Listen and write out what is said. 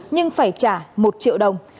nhưng phải trả một triệu đồng